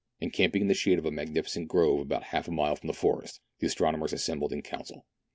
Encamping in the shade of a magnificent grove about half a mile from the forest, the astronomers assembled in council.